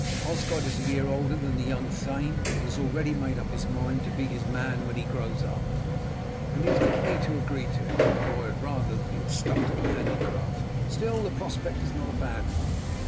Osgod is a year older than the young thane, and has already made up his mind to be his man when he grows up, and he has got me to agree to it, though I would rather that he had stuck to my handicraft. Still, the prospect is not a bad one.